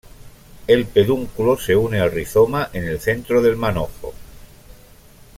El pedúnculo se une al rizoma en el centro del manojo.